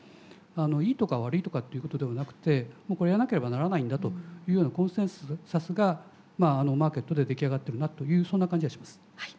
いいとか悪いとかっていうことではなくてやらなければならないんだというようなコンセンサスがマーケットで出来上がってるなというそんな感じがします。